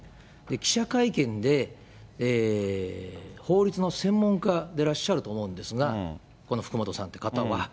記者会見で、法律の専門家でらっしゃると思うんですが、この福本さんって方は。